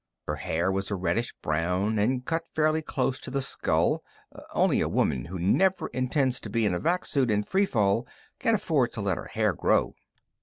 Her hair was a reddish brown and was cut fairly close to the skull; only a woman who never intends to be in a vac suit in free fall can afford to let her hair grow.